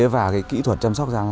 và cái kỹ thuật chăm sóc ra